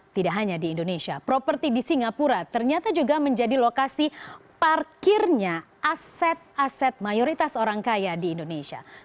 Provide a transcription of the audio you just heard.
tidak hanya di indonesia properti di singapura ternyata juga menjadi lokasi parkirnya aset aset mayoritas orang kaya di indonesia